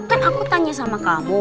kan aku tanya sama kamu